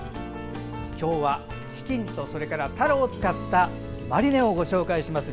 今日はチキンとたらを使った２種類マリネをご紹介します。